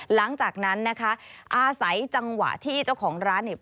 หลังจากนั้นนะคะอาศัยจังหวะที่เจ้าของร้านเนี่ย